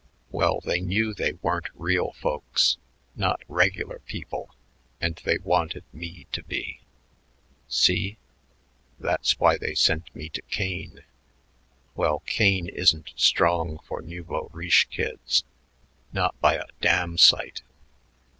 "Well, they knew they weren't real folks, not regular people, and they wanted me to be. See? That's why they sent me to Kane. Well, Kane isn't strong for nouveau riche kids, not by a damn sight.